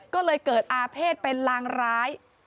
ก็เลยเกิดอาเภษเป็นลางร้าย